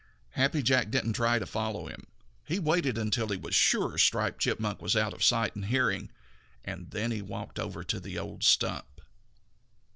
Happy Jack didn't try to follow him. He waited until he was sure that Striped Chipmunk was out of sight and hearing, and then he walked over to the old stump.